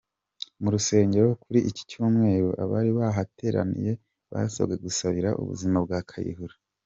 Mu rusengero kuri iki Cyumweru, abari bahateraniye basabwe gusabira ubuzima bwa Kayihura.